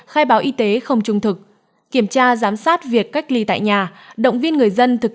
khai báo y tế không trung thực kiểm tra giám sát việc cách ly tại nhà động viên người dân thực